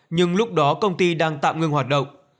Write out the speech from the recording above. nhưng lúc đó công ty đang tạm ngưng hoạt động